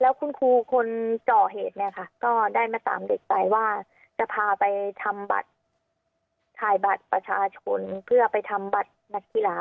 แล้วคุณครูคนก่อเหตุเนี่ยค่ะก็ได้มาตามเด็กไปว่าจะพาไปทำบัตรถ่ายบัตรประชาชนเพื่อไปทำบัตรนักกีฬา